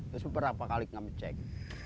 terus berapa kali kami cek